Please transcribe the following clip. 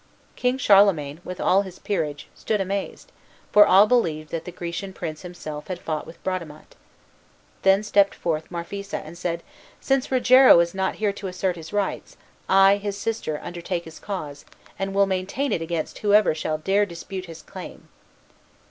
King Charlemagne, with all his peerage, stood amazed; for all believed that the Grecian prince himself had fought with Bradamante. Then stepped forth Marphisa, and said, "Since Rogero is not here to assert his rights, I, his sister, undertake his cause, and will maintain it against whoever shall dare dispute his claim."